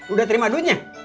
udah terima duitnya